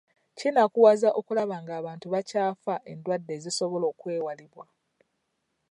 Kinakuwaza okulaba nga abantu bakyafa endwadde ezisobola okwewalibwa.